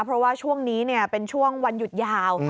เพราะว่าช่วงนี้เป็นช่วงวันหยุดยาว